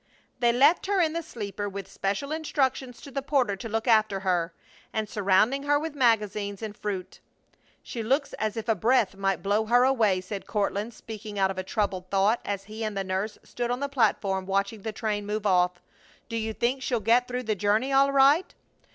They left her in the sleeper, with special instructions to the porter to look after her, and surrounding her with magazines and fruit. "She looks as if a breath might blow her away!" said Courtland, speaking out of a troubled thought, as he and the nurse stood on the platform watching the train move off. "Do you think she'll get through the journey all right?"